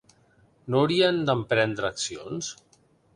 No haurien d'emprendre accions?